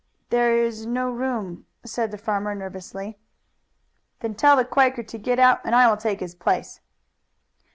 "There is no room," said the farmer nervously. "Then tell the Quaker to get out and I will take his place."